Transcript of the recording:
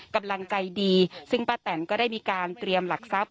กำลังใจดีซึ่งป้าแตนก็ได้มีการเตรียมหลักทรัพย